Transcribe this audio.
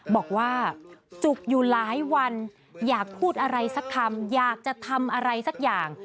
บอกว่าจุกอยู่หลายวันอยากพูดอะไรสักคำอยากจะทำอะไรสักอย่าง